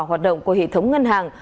hoạt động của hệ thống ngân hàng